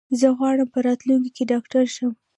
زه غواړم په راتلونکي کې ډاکټر شم.